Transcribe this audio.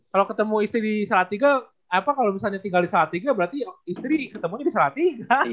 kalau ketemu istri di salatiga apa kalau misalnya tinggal di salatiga berarti istri ketemunya di salatiga